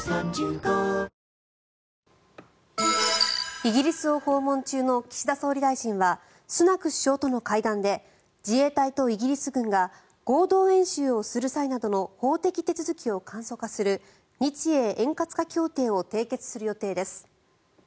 イギリスを訪問中の岸田総理大臣はスナク首相との会談で自衛隊とイギリス軍が合同演習をする際などの法的手続きを簡素化する日英円滑化協定を締結する予定です。